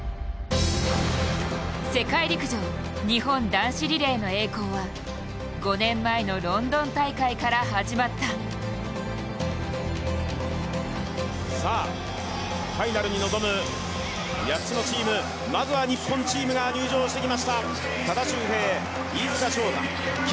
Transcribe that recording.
世界陸上、日本男子リレーの栄光は５年前のロンドン大会から始まったファイナルに臨む８つのチーム、まずは日本のチームが入場してきました。